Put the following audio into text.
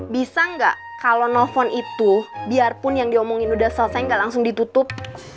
bisa gak kalau no phone itu biarpun yang diomongin udah selesainya gak langsung ditutup